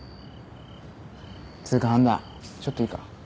つうか半田ちょっといいか？